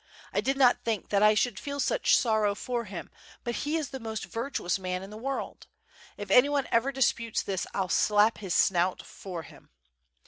I did not think that I should feel such sorrow for him, but he is the most vir tuous man in the world. If ev»r any one disputes this I'll slap his snout for him.